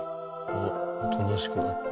おとなしくなった。